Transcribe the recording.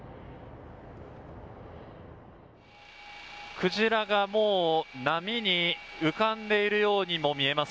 クジラがもう波に浮かんでいるようにも見えます。